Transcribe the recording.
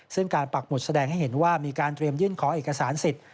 ซึ่งการปักหมุดแสดงให้เห็นว่ามีการเตรียมยื่นขอเอกสารสิทธิ์